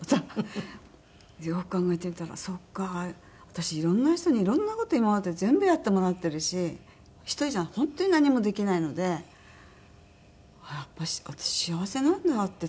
よく考えてみたらそっか私いろんな人にいろんな事今まで全部やってもらってるし１人じゃ本当に何もできないのであっやっぱ私幸せなんだってつくづく思いました。